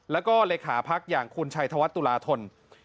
แล้วก็เลขาพักอย่างคุณชัยธวัฒนตุลาธน